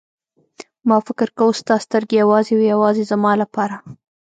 ما فکر کاوه ستا سترګې یوازې او یوازې زما لپاره.